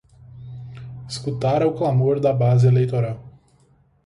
Escutara o clamor da base eleitoral